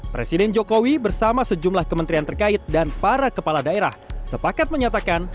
presiden jokowi bersama sejumlah kementerian terkait dan para kepala daerah sepakat menyatakan